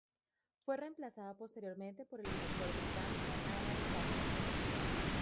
Fue reemplazado posteriormente por el director británico Anand Tucker.